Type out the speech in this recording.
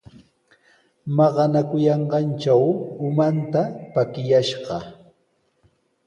Maqanakuyanqantraw umanta pakiyashqa.